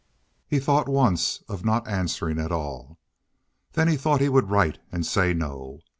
He thought once of not answering at all. Then he thought he would write and say no.